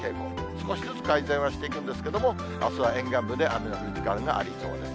少しずつ改善はしていくんですけれども、あすは沿岸部で、雨の降る時間がありそうです。